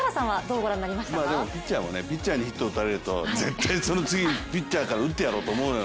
ピッチャーもピッチャーにヒットを打たれると絶対その次、ピッチャーから打ってやろうと思う。